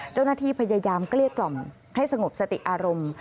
เจ้าหน้าที่พยายามเกลี้ยกล่อมให้สงบสติอารมณ์